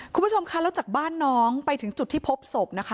คุณผู้ชมคะแล้วจากบ้านน้องไปถึงจุดที่พบศพนะคะ